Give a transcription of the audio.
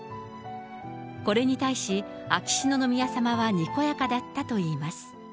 これに対し、秋篠宮さまはにこやかだったといいます。